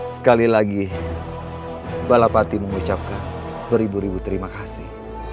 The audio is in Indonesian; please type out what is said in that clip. sekali lagi balapati mengucapkan beribu ribu terima kasih